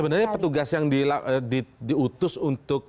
sebenarnya petugas yang diutus untuk